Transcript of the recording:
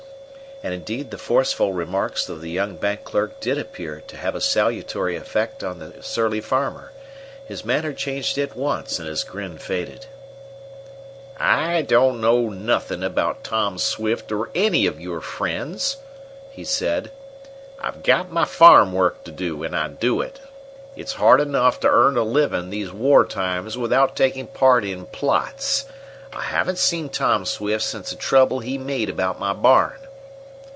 And indeed the forceful remarks of the young bank clerk did appear to have a salutary effect on the surly farmer. His manner changed at once and his grin faded. "I don't know nothing about Tom Swift or any of your friends," he said. "I've got my farm work to do, and I do it. It's hard enough to earn a living these war times without taking part in plots. I haven't seen Tom Swift since the trouble he made about my barn."